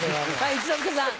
一之輔さん。